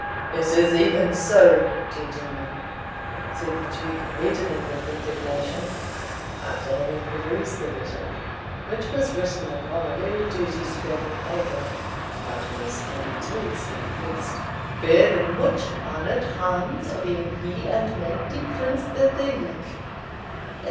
"It is even so, gentlemen," said the Duke, reddening with indignation, after having perused the letter, which was written upon a very dirty scrap of paper, but most punctiliously addressed, "For the much honoured hands of Ane High and Mighty Prince, the Duke," &c.